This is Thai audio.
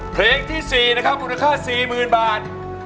เพลงที่๔นะครับมูลค่า๔๐๐๐บาท